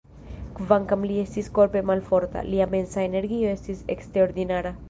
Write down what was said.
Kvankam li estis korpe malforta, lia mensa energio estis eksterordinara.